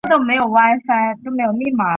玄孙毛堪。